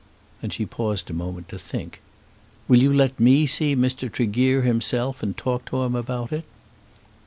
Then she paused a moment to think. "Will you let me see Mr. Tregear myself, and talk to him about it?"